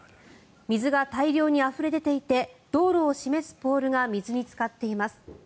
水が大量にあふれ出ていて道路を示すポールが水につかっています。